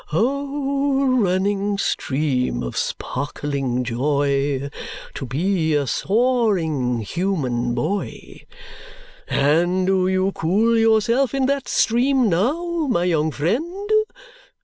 O running stream of sparkling joy To be a soaring human boy! And do you cool yourself in that stream now, my young friend?